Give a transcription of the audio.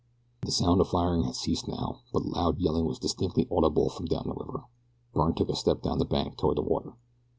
The sound of firing had ceased now, but loud yelling was distinctly audible from down the river. Byrne took a step down the bank toward the water.